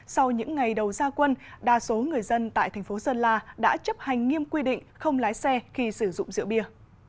sau những ngày đầu gia quân đa số người dân tại thành phố sơn la đã chấp hành nghiêm quy định không lái xe khi sử dụng rượu bia